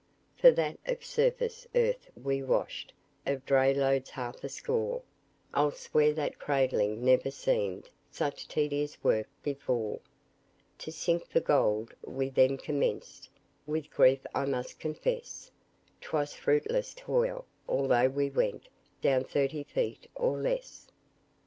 For that, of surface earth we washed Of dray loads half a score; I'll swear that cradling never seemed Such tedious work before. To sink for gold we then commenced, With grief I must confess, 'Twas fruitless toil, although we went Down thirty feet or less.